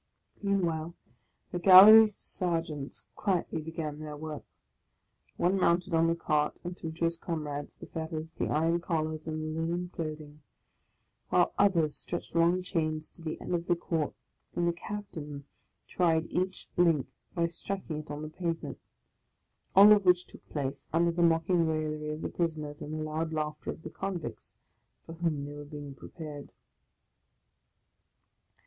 Meanwhile the galley ser geants quietly began their work. One mounted on the cart, and threw to his comrades the fetters, the iron collars, and the linen clothing; while others stretched long chains to the end of the court and the Captain tried each link by strik ing it on the pavement, — all of which took place under the mocking raillery of the prisoners, and the loud laughter of the convicts for whom they were being prepared.